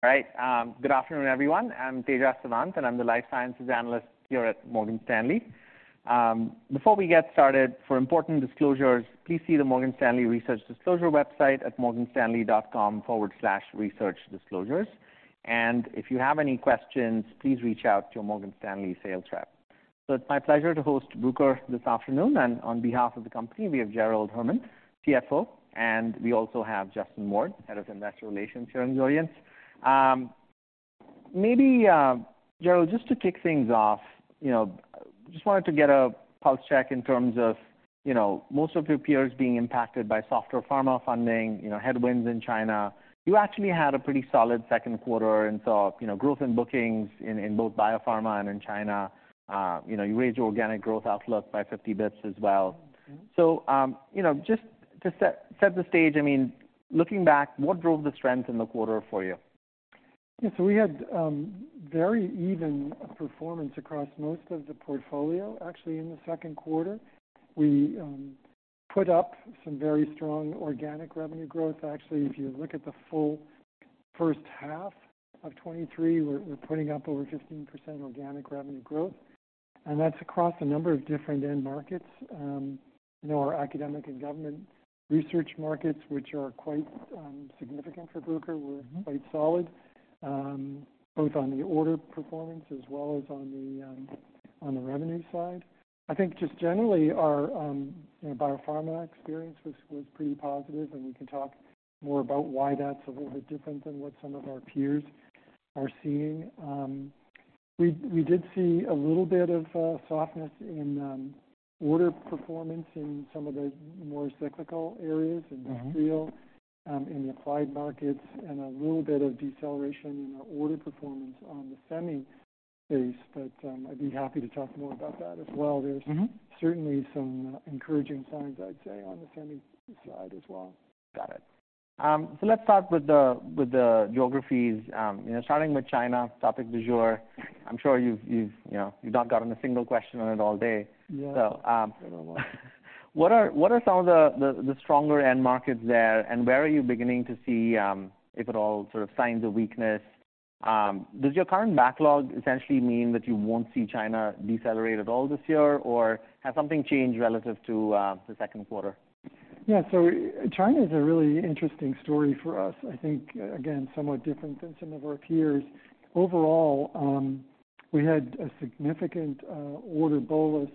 All right, good afternoon, everyone. I'm Tejas Savant, and I'm the life sciences analyst here at Morgan Stanley. Before we get started, for important disclosures, please see the Morgan Stanley Research Disclosure website at morganstanley.com/researchdisclosures. If you have any questions, please reach out to your Morgan Stanley sales rep. It's my pleasure to host Bruker this afternoon, and on behalf of the company, we have Gerald Herman, CFO, and we also have Justin Ward, Head of Investor Relations, here in the audience. Maybe, Gerald, just to kick things off, you know, just wanted to get a pulse check in terms of, you know, most of your peers being impacted by softer pharma funding, you know, headwinds in China. You actually had a pretty solid second quarter and saw, you know, growth in bookings in both biopharma and in China. You know, you raised your organic growth outlook by 50 basis points as well. So, you know, just to set the stage, I mean, looking back, what drove the strength in the quarter for you? Yeah, so we had very even performance across most of the portfolio, actually, in the second quarter. We put up some very strong organic revenue growth. Actually, if you look at the full first half of 2023, we're putting up over 15% organic revenue growth, and that's across a number of different end markets. You know, our academic and government research markets, which are quite significant for Bruker- Mm-hmm. -were quite solid, both on the order performance as well as on the revenue side. I think just generally, our, you know, biopharma experience was pretty positive, and we can talk more about why that's a little bit different than what some of our peers are seeing. We did see a little bit of softness in order performance in some of the more cyclical areas- Mm-hmm. -industrial, in the applied markets, and a little bit of deceleration in our order performance on the semi space, but, I'd be happy to talk more about that as well. Mm-hmm. There's certainly some encouraging signs, I'd say, on the semi side as well. Got it. So let's start with the geographies. You know, starting with China, topic du jour. I'm sure you've, you know, you've not gotten a single question on it all day. Yeah. So, um- I don't know. What are some of the stronger end markets there, and where are you beginning to see, if at all, sort of signs of weakness? Does your current backlog essentially mean that you won't see China decelerate at all this year, or has something changed relative to the second quarter? Yeah, so China is a really interesting story for us. I think, again, somewhat different than some of our peers. Overall, we had a significant order bolus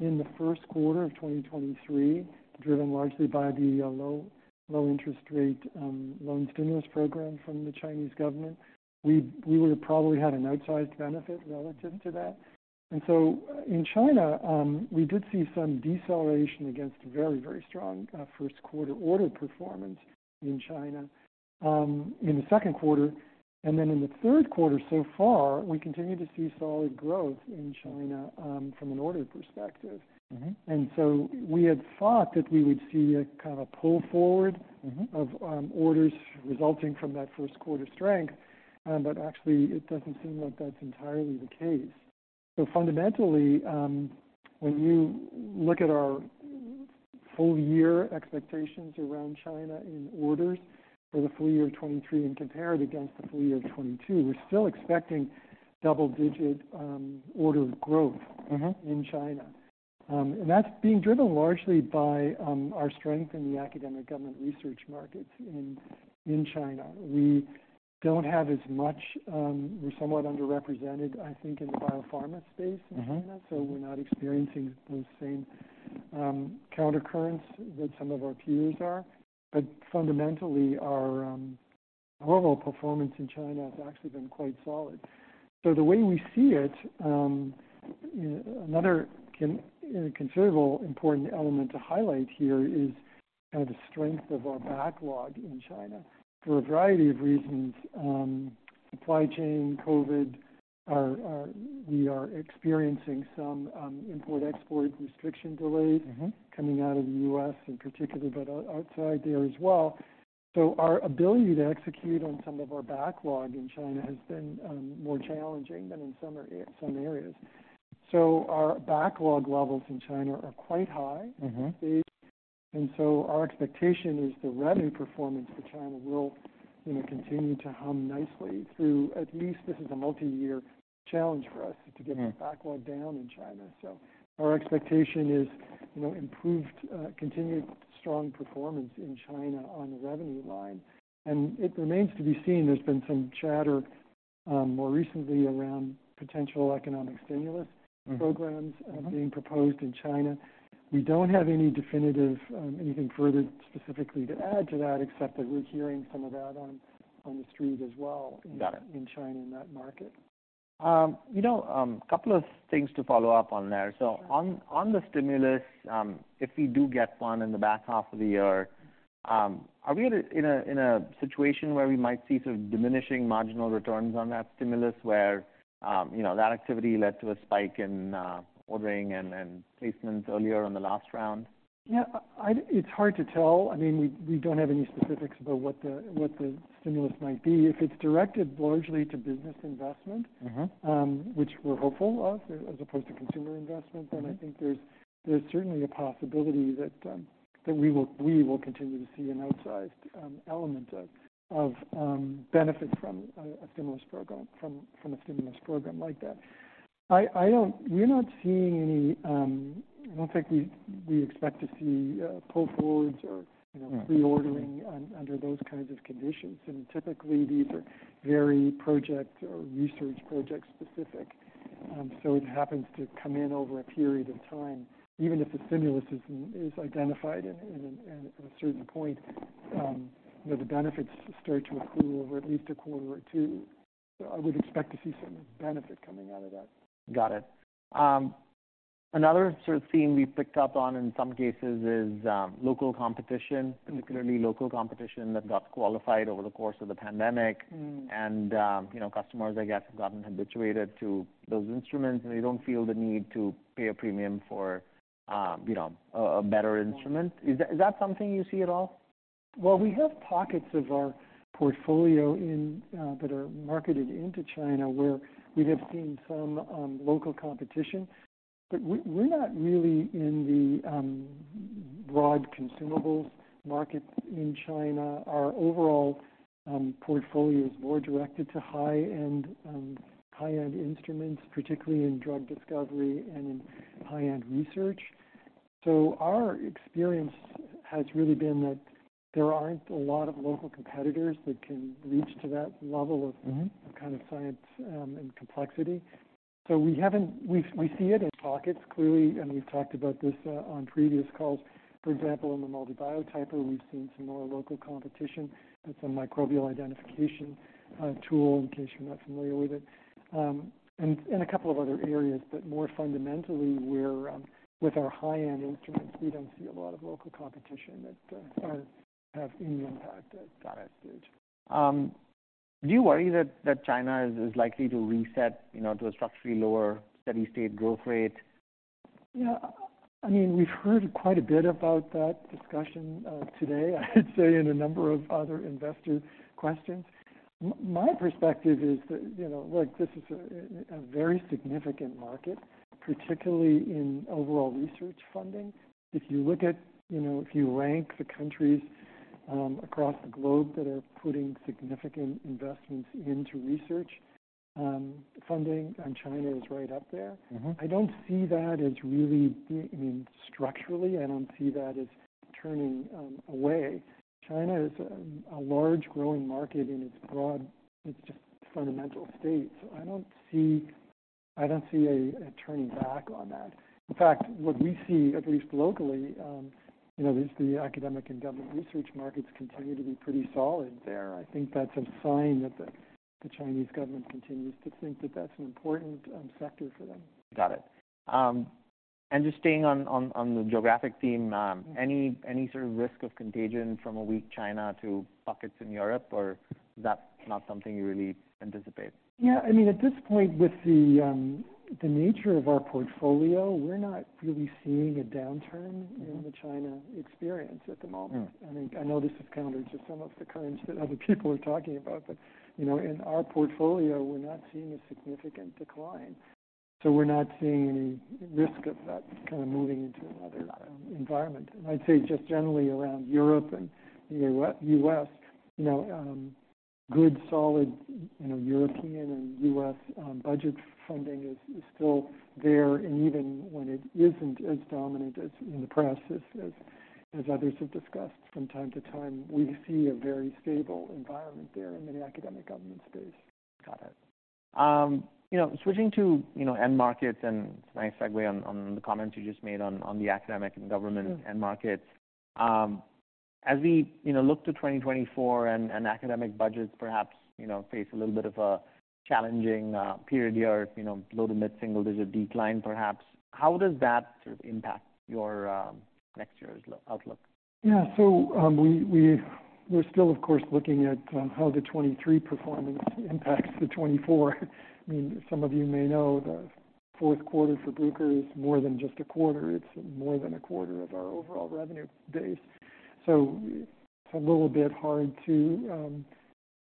in the first quarter of 2023, driven largely by the low, low-interest rate loan stimulus program from the Chinese government. We would have probably had an outsized benefit relative to that. And so in China, we did see some deceleration against a very, very strong first quarter order performance in China in the second quarter. And then in the third quarter, so far, we continue to see solid growth in China from an order perspective. Mm-hmm. So we had thought that we would see a kind of pull forward- Mm-hmm. -of orders resulting from that first quarter strength, but actually, it doesn't seem like that's entirely the case. So fundamentally, when you look at our full year expectations around China in orders for the full year 2023 and compare it against the full year of 2022, we're still expecting double-digit order growth- Mm-hmm... in China. That's being driven largely by our strength in the academic government research markets in China. We don't have as much. We're somewhat underrepresented, I think, in the biopharma space in China. Mm-hmm. So we're not experiencing those same countercurrents that some of our peers are. But fundamentally, our overall performance in China has actually been quite solid. So the way we see it, another considerable important element to highlight here is kind of the strength of our backlog in China. For a variety of reasons, supply chain, COVID, our, we are experiencing some import/export restriction delays. Mm-hmm... coming out of the U.S., in particular, but outside there as well. So our ability to execute on some of our backlog in China has been more challenging than in some areas. So our backlog levels in China are quite high. Mm-hmm. And so our expectation is the revenue performance for China will, you know, continue to hum nicely through at least this is a multi-year challenge for us- Mm-hmm -to get our backlog down in China. So our expectation is, you know, improved, continued strong performance in China on the revenue line. And it remains to be seen. There's been some chatter, more recently around potential economic stimulus- Mm-hmm... programs being proposed in China. We don't have any definitive, anything further specifically to add to that, except that we're hearing some of that on, on the street as well... Got it... in China, in that market. You know, a couple of things to follow up on there. Sure. So on the stimulus, if we do get one in the back half of the year, are we in a situation where we might see sort of diminishing marginal returns on that stimulus, where you know, that activity led to a spike in ordering and placements earlier on the last round? Yeah, it's hard to tell. I mean, we don't have any specifics about what the stimulus might be. If it's directed largely to business investment- Mm-hmm... which we're hopeful of, as opposed to consumer investment- Mm-hmm... then I think there's certainly a possibility that we will continue to see an outsized element of benefit from a stimulus program, from a stimulus program like that. I don't, we're not seeing any, I don't think we expect to see pull forwards or, you know, pre-ordering under those kinds of conditions. And typically, these are very project or research project specific. So it happens to come in over a period of time. Even if the stimulus is identified at a certain point, you know, the benefits start to accrue over at least a quarter or two. So I would expect to see some benefit coming out of that. Got it. Another sort of theme we've picked up on in some cases is local competition, particularly local competition that got qualified over the course of the pandemic. Mm. You know, customers, I guess, have gotten habituated to those instruments, and they don't feel the need to pay a premium for, you know, a better instrument. Is that something you see at all? Well, we have pockets of our portfolio in that are marketed into China, where we have seen some local competition. But we're not really in the broad consumables market in China. Our overall portfolio is more directed to high-end, high-end instruments, particularly in drug discovery and in high-end research. So our experience has really been that there aren't a lot of local competitors that can reach to that level of- Mm-hmm kind of science and complexity. So we haven't—we see it in pockets, clearly, and we've talked about this on previous calls. For example, in the MALDI Biotyper, we've seen some more local competition and some microbial identification tool, in case you're not familiar with it. And a couple of other areas, but more fundamentally, we're with our high-end instruments, we don't see a lot of local competition that have any impact at this stage. Do you worry that China is likely to reset, you know, to a structurally lower steady-state growth rate? Yeah, I mean, we've heard quite a bit about that discussion today, I'd say, in a number of other investor questions. My perspective is that, you know, look, this is a very significant market, particularly in overall research funding. If you look at, you know, if you rank the countries across the globe that are putting significant investments into research funding, and China is right up there. Mm-hmm. I don't see that as really being... I mean, structurally, I don't see that as turning away. China is a large growing market in its broad, its just fundamental state, so I don't see a turning back on that. In fact, what we see, at least locally, you know, is the academic and government research markets continue to be pretty solid there. I think that's a sign that the Chinese government continues to think that that's an important sector for them. Got it. And just staying on the geographic theme, any sort of risk of contagion from a weak China to pockets in Europe, or is that not something you really anticipate? Yeah, I mean, at this point, with the, the nature of our portfolio, we're not really seeing a downturn... Mm-hmm in the China experience at the moment. Yeah. I think I know this is counter to some of the currents that other people are talking about, but, you know, in our portfolio, we're not seeing a significant decline, so we're not seeing any risk of that kind of moving into another, environment. And I'd say just generally around Europe and the U.S., you know, good, solid, you know, European and U.S., budget funding is still there. And even when it isn't as dominant as in the press, as others have discussed from time to time, we see a very stable environment there in the academic government space. Got it. You know, switching to, you know, end markets, and it's a nice segue on the comments you just made on the academic and government- Mm - end markets. As we, you know, look to 2024 and academic budgets, perhaps, you know, face a little bit of a challenging period year, you know, low- to mid-single-digit decline, perhaps, how does that sort of impact your next year's outlook? Yeah. So, we're still, of course, looking at how the 2023 performance impacts the 2024. I mean, some of you may know, the fourth quarter for Bruker is more than just a quarter. It's more than a quarter of our overall revenue base. So it's a little bit hard to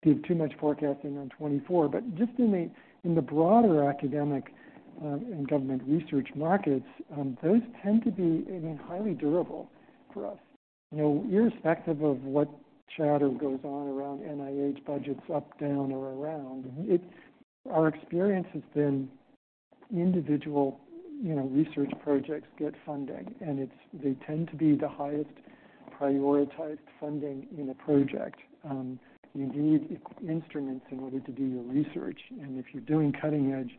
give too much forecasting on 2024. But just in the broader academic and government research markets, those tend to be, again, highly durable for us. You know, irrespective of what chatter goes on around NIH budgets up, down, or around, it's our experience has been individual, you know, research projects get funding, and they tend to be the highest prioritized funding in a project. You need instruments in order to do your research, and if you're doing cutting-edge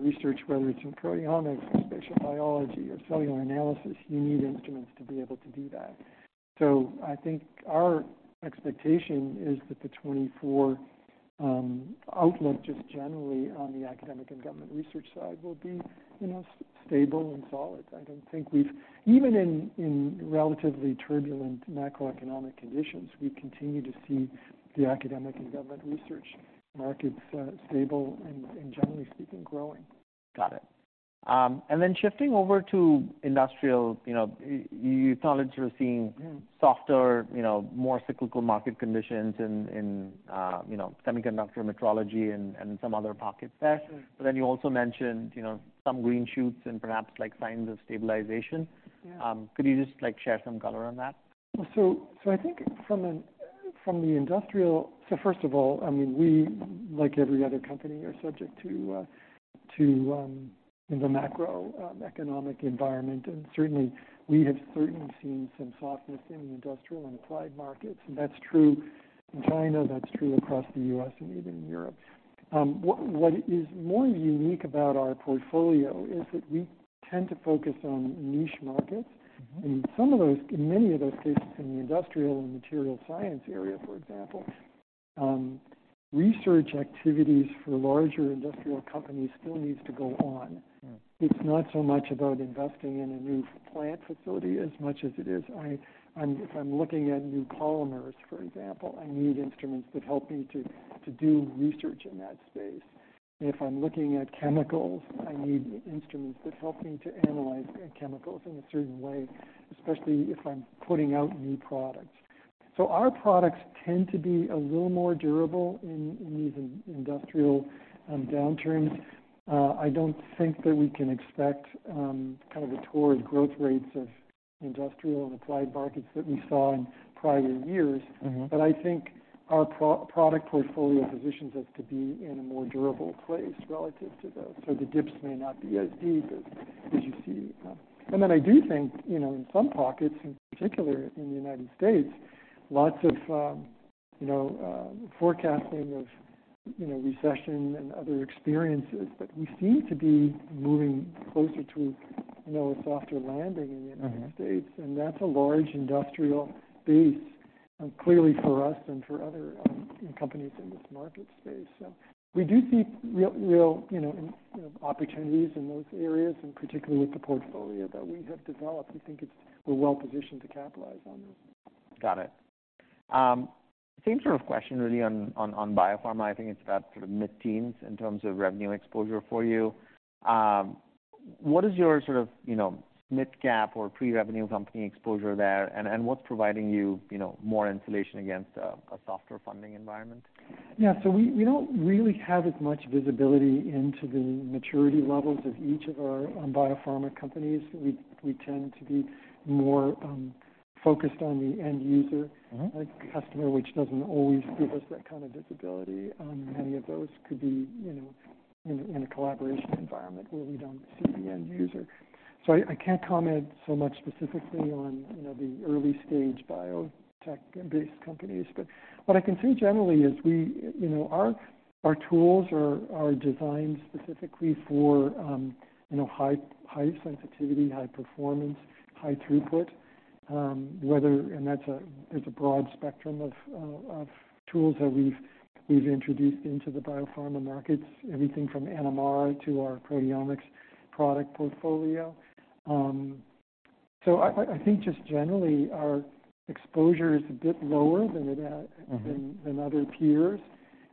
research, whether it's in proteomics or spatial biology or cellular analysis, you need instruments to be able to do that. So I think our expectation is that the 2024 outlook, just generally on the academic and government research side, will be, you know, stable and solid. I don't think we've. Even in relatively turbulent macroeconomic conditions, we continue to see the academic and government research markets stable and generally speaking, growing. Got it. And then shifting over to industrial, you know, you acknowledged we're seeing- Mm softer, you know, more cyclical market conditions in, you know, semiconductor metrology and some other pockets there. Mm. But then you also mentioned, you know, some green shoots and perhaps, like, signs of stabilization. Yeah. Could you just, like, share some color on that? I think from the industrial, so first of all, I mean, we, like every other company, are subject to the macro economic environment. Certainly, we have certainly seen some softness in the industrial and applied markets. That's t rue in China, that's true across the U.S. and even in Europe. What is more unique about our portfolio is that we tend to focus on niche markets. Mm-hmm. Some of those, in many of those cases, in the industrial and materials science area, for example, research activities for larger industrial companies still needs to go on. Yeah. It's not so much about investing in a new plant facility as much as it is. If I'm looking at new polymers, for example, I need instruments that help me to do research in that space. If I'm looking at chemicals, I need instruments that help me to analyze the chemicals in a certain way, especially if I'm putting out new products. So our products tend to be a little more durable in these industrial downturns. I don't think that we can expect kind of the torrid growth rates of industrial and applied markets that we saw in prior years. Mm-hmm. But I think our product portfolio positions us to be in a more durable place relative to those. So the dips may not be as deep as you see. And then I do think, you know, in some pockets, in particular in the United States, lots of, you know, forecasting of, you know, recession and other experiences. But we seem to be moving closer to, you know, a softer landing in the United States. Mm-hmm. That's a large industrial base, clearly for us and for other companies in this market space. So we do see real, real, you know, you know, opportunities in those areas, and particularly with the portfolio that we have developed. We think it's. We're well positioned to capitalize on this. Got it. Same sort of question really on biopharma. I think it's about sort of mid-teens in terms of revenue exposure for you. What is your sort of, you know, mid-cap or pre-revenue company exposure there? And what's providing you, you know, more insulation against a softer funding environment? Yeah. So we, we don't really have as much visibility into the maturity levels of each of our biopharma companies. We, we tend to be more focused on the end user- Mm-hmm customer, which doesn't always give us that kind of visibility. Many of those could be, you know, in a collaboration environment where we don't see the end user. So I can't comment so much specifically on, you know, the early-stage biotech-based companies. But what I can say generally is we, you know, our tools are designed specifically for, you know, high sensitivity, high performance, high throughput. And that's a broad spectrum of tools that we've introduced into the biopharma markets, everything from NMR to our proteomics product portfolio. So I think just generally, our exposure is a bit lower than it has- Mm-hmm... than other peers,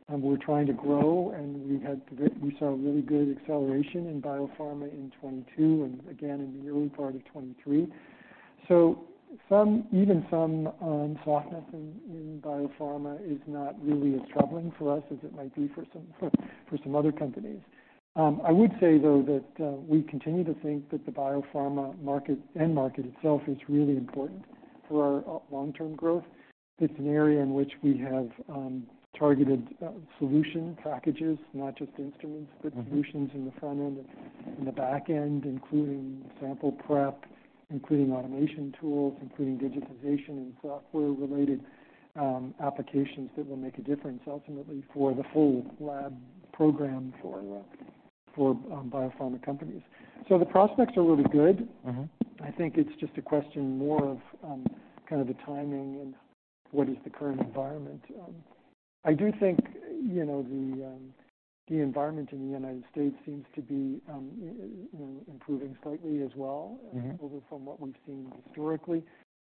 and we're trying to grow, and we had great—we saw a really good acceleration in biopharma in 2022 and again in the early part of 2023. So some, even some, softness in biopharma is not really as troubling for us as it might be for some other companies. I would say, though, that we continue to think that the biopharma market, end market itself, is really important for our long-term growth. It's an area in which we have targeted solution packages, not just instruments- Mm-hmm - but solutions in the front end and the back end, including sample prep, including automation tools, including digitization and software-related, applications that will make a difference ultimately for the whole lab program- Sure - for biopharma companies. So the prospects are really good. Mm-hmm. I think it's just a question more of, kind of the timing and what is the current environment. I do think, you know, the, the environment in the United States seems to be improving slightly as well- Mm-hmm From what we've seen historically.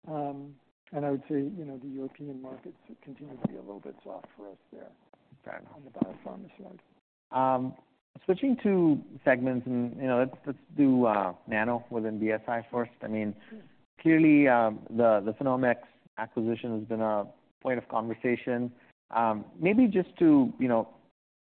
And I would say, you know, the European markets continue to be a little bit soft for us there- Got it - on the biopharma side. Switching to segments, and, you know, let's, let's do Nano within BSI first. I mean, clearly, the, the PhenomeX acquisition has been a point of conversation. Maybe just to, you know,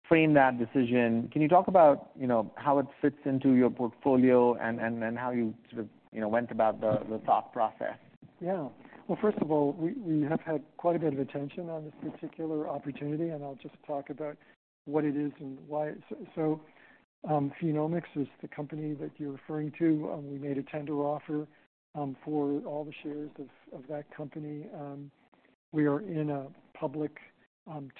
frame that decision, can you talk about, you know, how it fits into your portfolio and, and, and how you sort of, you know, went about the, the thought process? Yeah. Well, first of all, we have had quite a bit of attention on this particular opportunity, and I'll just talk about what it is and why. So, PhenomeX is the company that you're referring to. We made a tender offer for all the shares of that company. We are in a public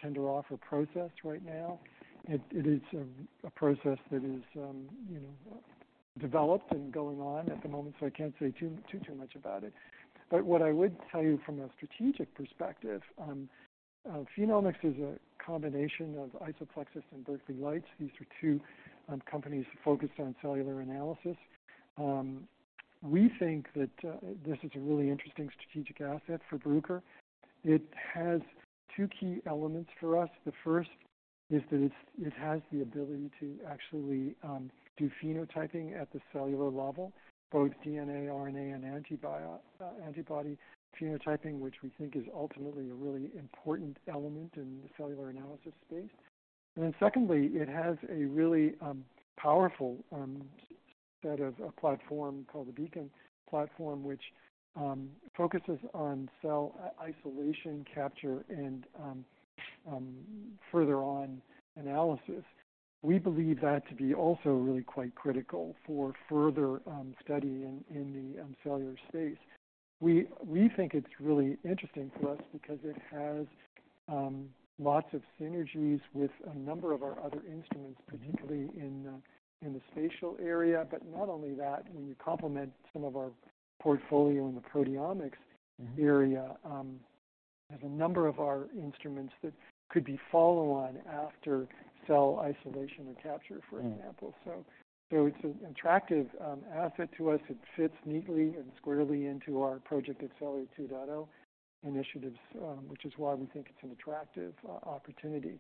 tender offer process right now. It is a process that is, you know, developed and going on at the moment, so I can't say too much about it. But what I would tell you from a strategic perspective, PhenomeX is a combination of IsoPlexis and Berkeley Lights. These are two companies focused on cellular analysis. We think that this is a really interesting strategic asset for Bruker. It has two key elements for us. The first is that it's, it has the ability to actually do phenotyping at the cellular level, both DNA, RNA, and antibody phenotyping, which we think is ultimately a really important element in the cellular analysis space. And then secondly, it has a really powerful set of a platform called the Beacon Platform, which focuses on cell isolation, capture, and further on analysis. We believe that to be also really quite critical for further study in the cellular space. We, we think it's really interesting for us because it has lots of synergies with a number of our other instruments, particularly in the spatial area. But not only that, when you complement some of our portfolio in the proteomics area- Mm-hmm. There's a number of our instruments that could be follow-on after cell isolation or capture, for example. Mm. So, it's an attractive asset to us. It fits neatly and squarely into our Project Accelerate 2.0 initiatives, which is why we think it's an attractive opportunity.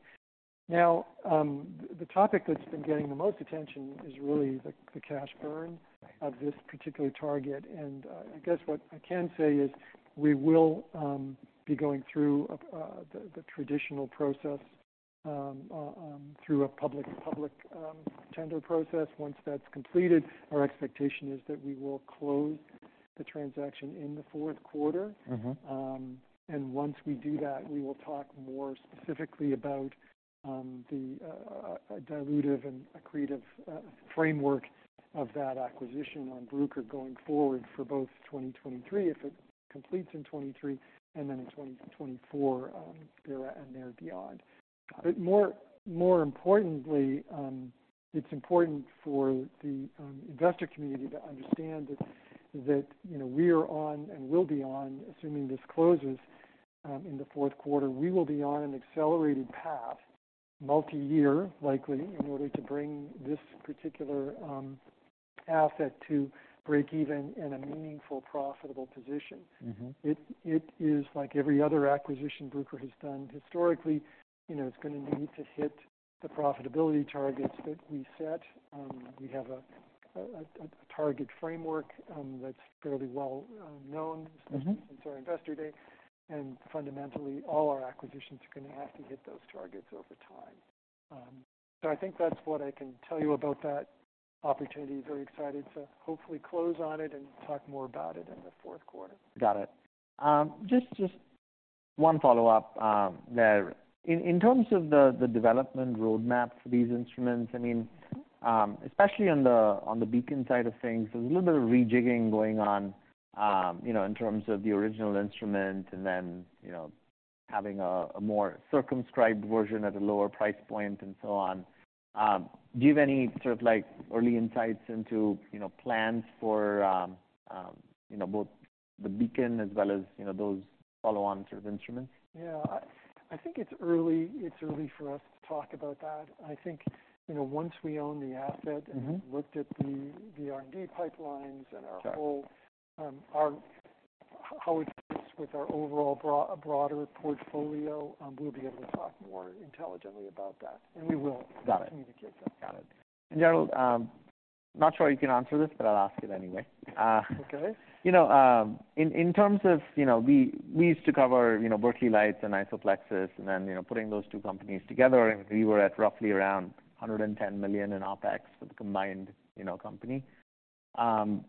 Now, the topic that's been getting the most attention is really the cash burn- Right. -of this particular target. And, I guess what I can say is we will be going through the traditional process through a public tender process. Once that's completed, our expectation is that we will close the transaction in the fourth quarter. Mm-hmm. Once we do that, we will talk more specifically about the dilutive and accretive framework of that acquisition on Bruker going forward for both 2023, if it completes in 2023, and then in 2024 and thereafter and beyond. But more importantly, it's important for the investor community to understand that you know we are on and will be on, assuming this closes in the fourth quarter, we will be on an accelerated path, multiyear likely, in order to bring this particular asset to break even in a meaningful, profitable position. Mm-hmm. It is like every other acquisition Bruker has done historically. You know, it's going to need to hit the profitability targets that we set. We have a target framework that's fairly well known- Mm-hmm... especially since our Investor Day, and fundamentally, all our acquisitions are going to have to hit those targets over time. So I think that's what I can tell you about that opportunity. Very excited to hopefully close on it and talk more about it in the fourth quarter. Got it. Just one follow-up there. In terms of the development roadmap for these instruments, I mean, especially on the Beacon side of things, there's a little bit of rejiggering going on, you know, in terms of the original instrument and then, you know, having a more circumscribed version at a lower price point and so on. Do you have any sort of, like, early insights into, you know, plans for both the Beacon as well as, you know, those follow-on sort of instruments? Yeah. I think it's early for us to talk about that. I think, you know, once we own the asset- Mm-hmm... and have looked at the R&D pipelines and our whole- Got it... how it fits with our overall broader portfolio, we'll be able to talk more intelligently about that, and we will- Got it. -communicate that. Got it. And, Gerald, not sure you can answer this, but I'll ask it anyway. Okay. You know, in terms of, you know, we used to cover, you know, Berkeley Lights and IsoPlexis, and then, you know, putting those two companies together, and we were at roughly around $110 million in OpEx for the combined, you know, company. Do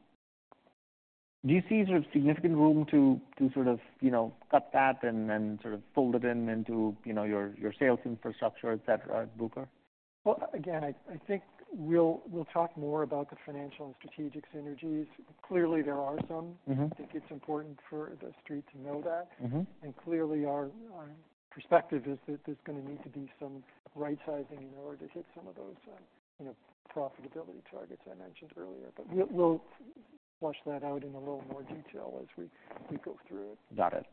you see sort of significant room to sort of, you know, cut that and then sort of fold it into, you know, your sales infrastructure, et cetera, at Bruker? Well, again, I think we'll talk more about the financial and strategic synergies. Clearly, there are some. Mm-hmm. I think it's important for the Street to know that. Mm-hmm. Clearly, our perspective is that there's going to need to be some right-sizing in order to hit some of those, you know, profitability targets I mentioned earlier. But we'll flush that out in a little more detail as we go through it. Got it.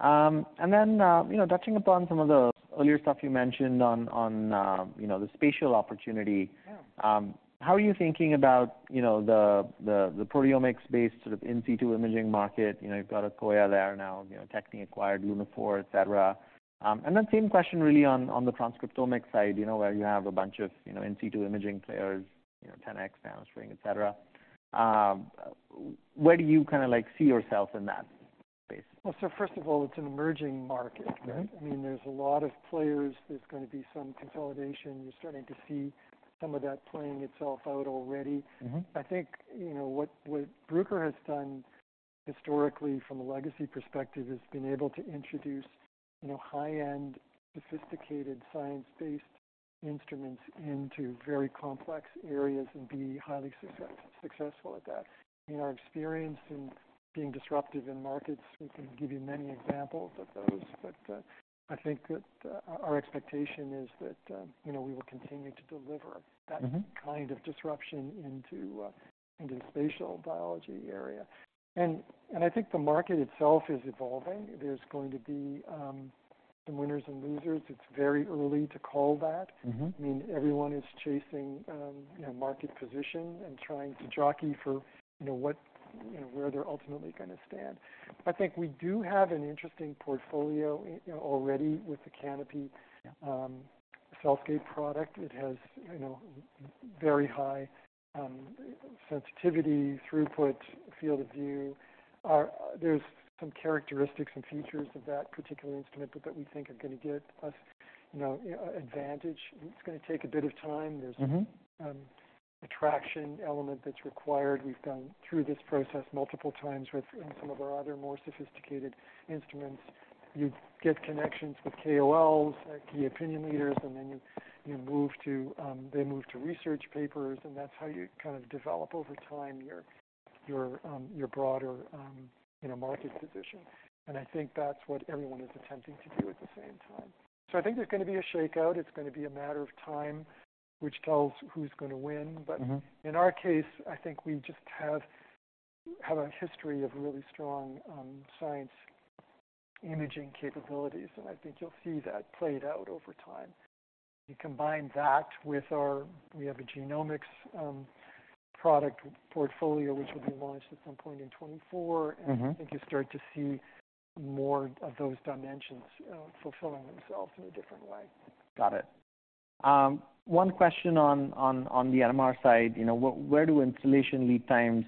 And then, you know, touching upon some of the earlier stuff you mentioned on, you know, the spatial opportunity- Yeah... how are you thinking about, you know, the proteomics-based, sort of, in situ imaging market? You know, you've got Akoya there now, you know, Tecan acquired Lunaphore, et cetera. And then same question really on the transcriptomics side, you know, where you have a bunch of, you know, in situ imaging players, you know, 10x, NanoString, et cetera. Where do you kind of like see yourself in that space? Well, so first of all, it's an emerging market, right? Mm-hmm. I mean, there's a lot of players. There's going to be some consolidation. You're starting to see some of that playing itself out already. Mm-hmm. I think, you know, what Bruker has done historically from a legacy perspective, is being able to introduce, you know, high-end, sophisticated, science-based instruments into very complex areas and be highly successful at that. In our experience in being disruptive in markets, we can give you many examples of those. But, I think that, our expectation is that, you know, we will continue to deliver- Mm-hmm... that kind of disruption into the spatial biology area. And I think the market itself is evolving. There's going to be some winners and losers. It's very early to call that. Mm-hmm. I mean, everyone is chasing, you know, market position and trying to jockey for, you know, what, you know, where they're ultimately going to stand. I think we do have an interesting portfolio, you know, already with the Canopy CellScape product. It has, you know, very high sensitivity, throughput, field of view. There's some characteristics and features of that particular instrument that we think are going to give us you know, advantage. It's gonna take a bit of time. Mm-hmm. There's attraction element that's required. We've gone through this process multiple times with, in some of our other more sophisticated instruments. You get connections with KOLs, key opinion leaders, and then they move to research papers, and that's how you kind of develop over time, your broader, you know, market position. And I think that's what everyone is attempting to do at the same time. So I think there's gonna be a shakeout. It's gonna be a matter of time, which tells who's gonna win. Mm-hmm. But in our case, I think we just have a history of really strong science imaging capabilities, and I think you'll see that played out over time. You combine that with our—we have a genomics product portfolio, which will be launched at some point in 2024. Mm-hmm. I think you start to see more of those dimensions, fulfilling themselves in a different way. Got it. One question on the NMR side. You know, where do installation lead times,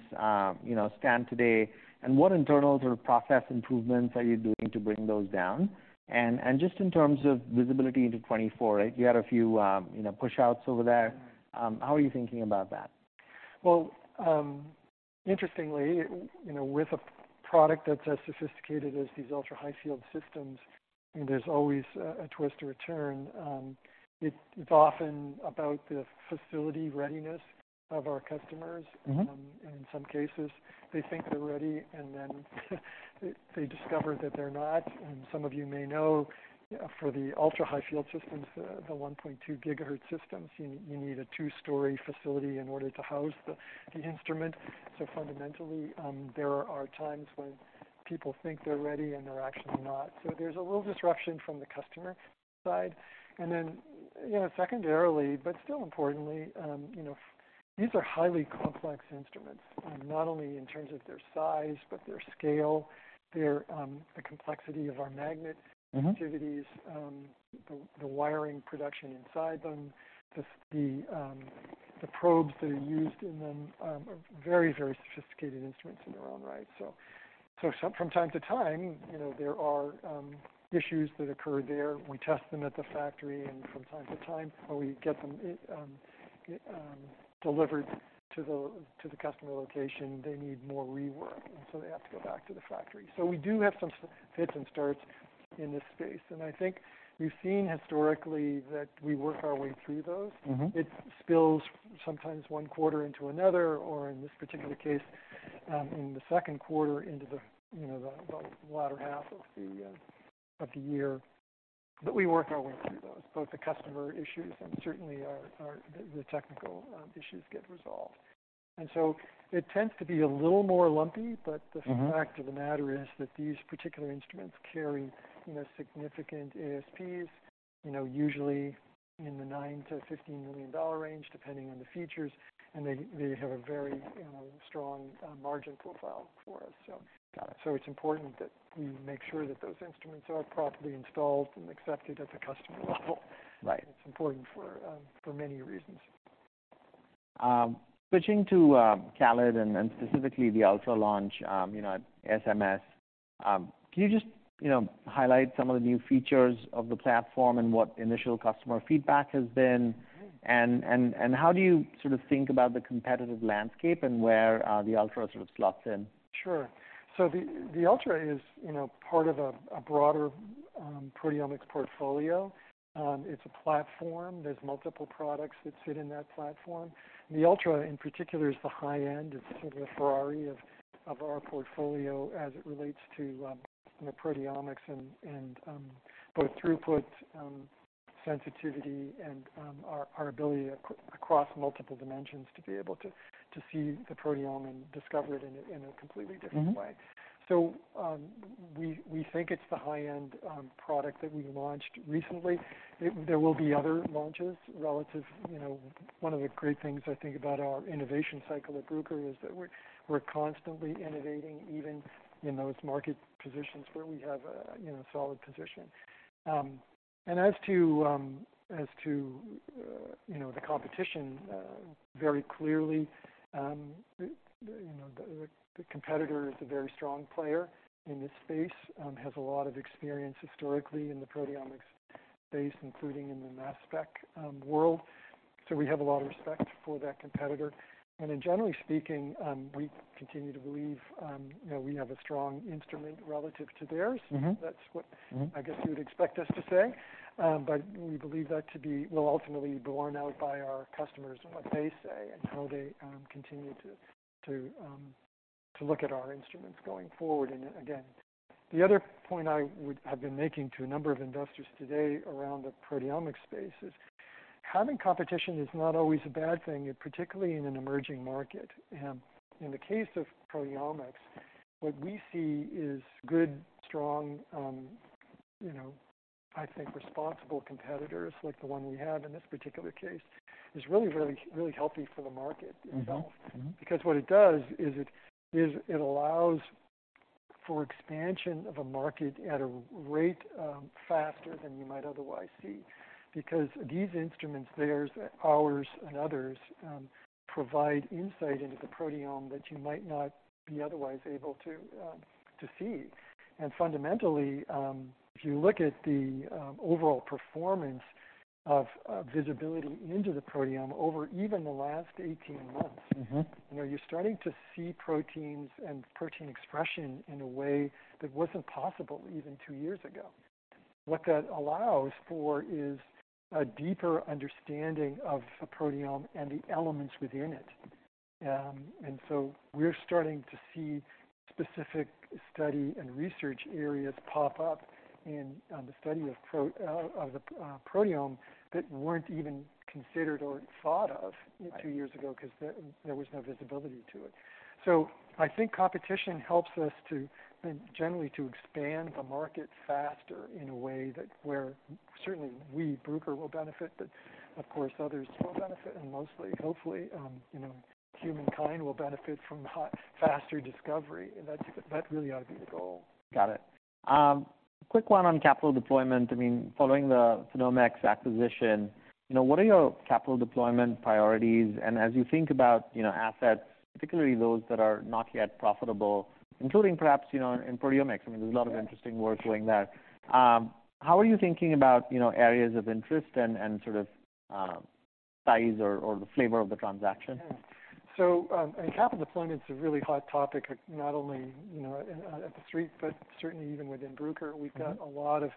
you know, stand today, and what internal sort of process improvements are you doing to bring those down? And just in terms of visibility into 2024, right, you had a few, you know, push-outs over there. How are you thinking about that? Well, interestingly, you know, with a product that's as sophisticated as these ultra-high field systems, there's always a twist or a turn. It's often about the facility readiness of our customers. Mm-hmm. In some cases, they think they're ready, and then they discover that they're not. And some of you may know, for the ultra-high field systems, the 1.2 gigahertz systems, you need a two-story facility in order to house the instrument. So fundamentally, there are times when people think they're ready, and they're actually not. So there's a little disruption from the customer side, and then, you know, secondarily, but still importantly, you know, these are highly complex instruments, not only in terms of their size but their scale, their, the complexity of our magnet- Mm-hmm... activities, the wiring production inside them, the probes that are used in them are very, very sophisticated instruments in their own right. So, some from time to time, you know, there are issues that occur there. We test them at the factory, and from time to time, when we get them delivered to the customer location, they need more rework, and so they have to go back to the factory. So we do have some fits and starts in this space, and I think you've seen historically that we work our way through those. Mm-hmm. It spills sometimes one quarter into another, or in this particular case, in the second quarter into the, you know, the latter half of the year. But we work our way through those, both the customer issues and certainly our technical issues get resolved. And so it tends to be a little more lumpy, but- Mm-hmm... the fact of the matter is that these particular instruments carry, you know, significant ASPs, you know, usually in the $9 million-$15 million range, depending on the features, and they have a very strong margin profile for us, so. Got it. It's important that we make sure that those instruments are properly installed and accepted at the customer level. Right. It's important for, for many reasons. Switching to CALID, and specifically the Ultra launch, you know, at ASMS. Can you just, you know, highlight some of the new features of the platform and what initial customer feedback has been? Mm. How do you sort of think about the competitive landscape and where the Ultra sort of slots in? Sure. So the Ultra is, you know, part of a broader proteomics portfolio. It's a platform. There's multiple products that fit in that platform. The Ultra, in particular, is the high end. It's sort of the Ferrari of our portfolio as it relates to, you know, proteomics and both throughput, sensitivity and our ability across multiple dimensions to be able to see the proteome and discover it in a completely different way. Mm-hmm. So, we think it's the high-end product that we've launched recently. There will be other launches relative. You know, one of the great things I think about our innovation cycle at Bruker is that we're constantly innovating, even in those market positions where we have a, you know, solid position. And as to, you know, the competition, very clearly, you know, the competitor is a very strong player in this space, has a lot of experience historically in the proteomics space, including in the mass spec world. So we have a lot of respect for that competitor. And then, generally speaking, we continue to believe, you know, we have a strong instrument relative to theirs. Mm-hmm. That's what- Mm-hmm... I guess you would expect us to say. But we believe that to be, well, ultimately borne out by our customers and what they say and how they continue to look at our instruments going forward. And again, the other point I would have been making to a number of investors today around the proteomics space is, having competition is not always a bad thing, particularly in an emerging market. In the case of proteomics, what we see is good, strong, you know, I think responsible competitors, like the one we have in this particular case, is really, really, really healthy for the market itself. Mm-hmm. Mm-hmm. Because what it does is it allows for expansion of a market at a rate faster than you might otherwise see. Because these instruments, theirs, ours, and others, provide insight into the proteome that you might not be otherwise able to see. And fundamentally, if you look at the overall performance of visibility into the proteome over even the last eighteen months- Mm-hmm. You know, you're starting to see proteins and protein expression in a way that wasn't possible even two years ago. What that allows for is a deeper understanding of the proteome and the elements within it. And so we're starting to see specific study and research areas pop up in the study of the proteome, that weren't even considered or thought of two years ago, 'cause there was no visibility to it. So I think competition helps us to, generally, to expand the market faster in a way that where certainly we, Bruker, will benefit, but of course, others will benefit. And mostly, hopefully, you know, humankind will benefit from the higher faster discovery, and that's really ought to be the goal. Got it. Quick one on capital deployment. I mean, following the PhenomeX acquisition, you know, what are your capital deployment priorities? And as you think about, you know, assets, particularly those that are not yet profitable, including perhaps, you know, in proteomics, I mean, there's a lot of- Yeah... interesting work doing that. How are you thinking about, you know, areas of interest and sort of size or the flavor of the transaction? Capital deployment's a really hot topic, not only, you know, at the Street, but certainly even within Bruker. Mm-hmm. We've got a lot of,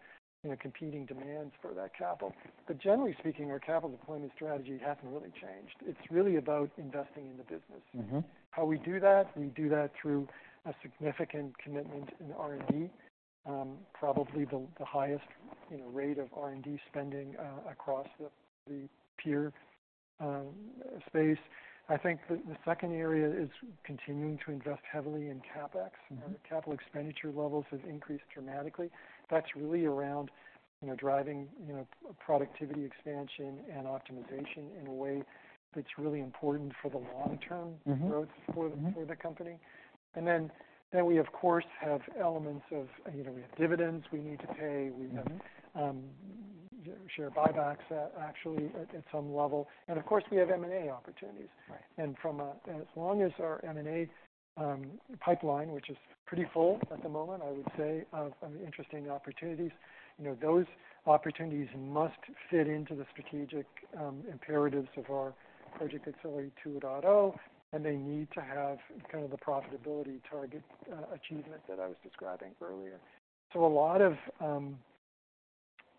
you know, competing demands for that capital. But generally speaking, our capital deployment strategy hasn't really changed. It's really about investing in the business. Mm-hmm. How we do that, we do that through a significant commitment in R&D, probably the highest, you know, rate of R&D spending across the peer space. I think the second area is continuing to invest heavily in CapEx. Mm-hmm. Our capital expenditure levels have increased dramatically. That's really around, you know, driving, you know, productivity, expansion, and optimization in a way that's really important for the long-term. Mm-hmm... growth for the company. And then we, of course, have elements of, you know, we have dividends we need to pay. Mm-hmm. We have share buybacks, actually, at some level, and of course, we have M&A opportunities. Right. As long as our M&A pipeline, which is pretty full at the moment, I would say, of interesting opportunities, you know, those opportunities must fit into the strategic imperatives of our Project Accelerate 2.0, and they need to have kind of the profitability target achievement that I was describing earlier. So a lot of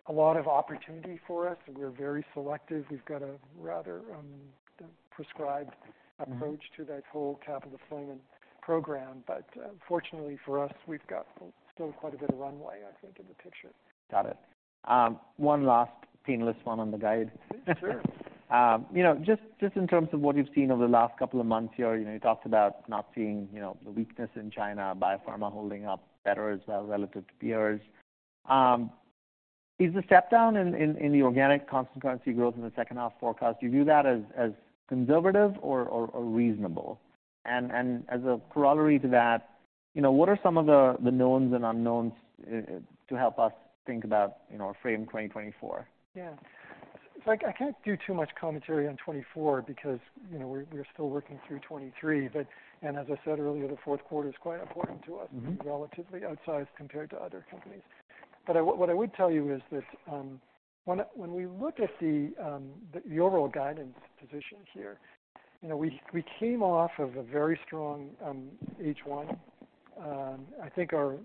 a lot of opportunity for us, and we're very selective. We've got a rather prescribed- Mm-hmm... approach to that whole capital deployment program. But, fortunately for us, we've got still quite a bit of runway, I think, in the picture. Got it. One last painless one on the guide. Sure. You know, just in terms of what you've seen over the last couple of months here, you know, you talked about not seeing, you know, the weakness in China, biopharma holding up better as well relative to peers. Is the step down in the organic constant currency growth in the second half forecast, do you view that as conservative or reasonable? And as a corollary to that, you know, what are some of the knowns and unknowns to help us think about, you know, or frame 2024? Yeah. It's like I can't do too much commentary on 2024 because, you know, we're still working through 2023. But... and as I said earlier, the fourth quarter is quite important to us- Mm-hmm... relatively outsized compared to other companies. But I, what I would tell you is this, when we look at the overall guidance position here, you know, we came off of a very strong H1. I think our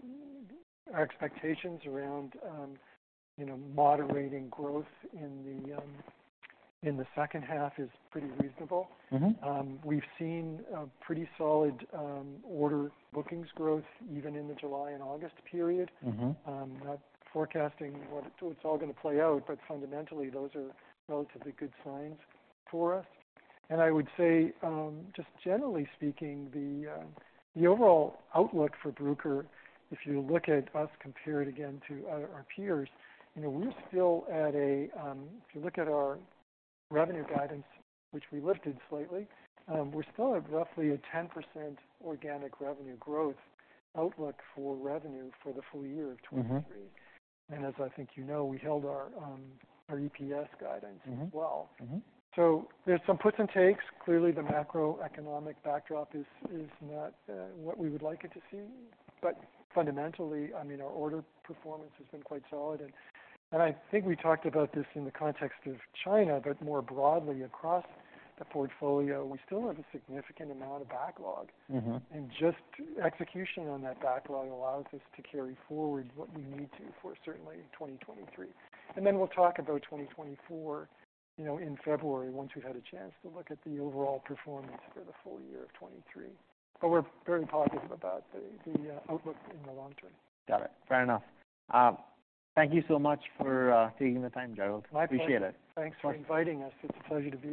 expectations around, you know, moderating growth in the second half is pretty reasonable. Mm-hmm. We've seen a pretty solid, order bookings growth, even in the July and August period. Mm-hmm. Not forecasting what it's all going to play out, but fundamentally, those are relatively good signs for us. And I would say, just generally speaking, the overall outlook for Bruker, if you look at us compared again to other, our peers, you know, we're still at a, if you look at our revenue guidance, which we lifted slightly, we're still at roughly a 10% organic revenue growth outlook for revenue for the full year of 2023. Mm-hmm. As I think you know, we held our EPS guidance. Mm-hmm... as well. Mm-hmm. There's some puts and takes. Clearly, the macroeconomic backdrop is not what we would like it to see. Fundamentally, I mean, our order performance has been quite solid. And I think we talked about this in the context of China, but more broadly across the portfolio, we still have a significant amount of backlog. Mm-hmm. Just execution on that backlog allows us to carry forward what we need to for certainly in 2023. Then we'll talk about 2024, you know, in February, once we've had a chance to look at the overall performance for the full year of 2023. But we're very positive about the outlook in the long term. Got it. Fair enough. Thank you so much for taking the time, Gerald. My pleasure. Appreciate it. Thanks for inviting us. It's a pleasure to be here.